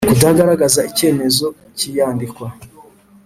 Kutagaragaza icyemezo cy iyandikwa